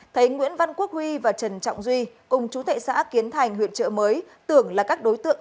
thấy nguyễn văn quốc huy và trần trọng duy cùng chú thệ xã kiến thành huyện trợ mới tưởng là các đối tượng